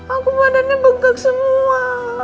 aku badannya bengkak semua